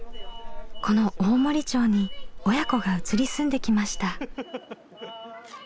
この大森町に親子が移り住んできました。